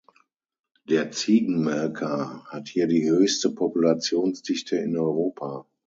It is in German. Der Ziegenmelker hat hier die höchste Populationsdichte in Europa.